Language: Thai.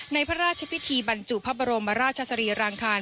พระราชพิธีบรรจุพระบรมราชสรีรางคาร